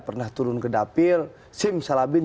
pernah turun ke dapil sim salabin